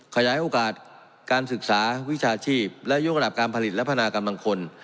ขยายโอกาสการศึกษาวิชาชีพและยกระดับการผลิตและพัฒนากำลังคน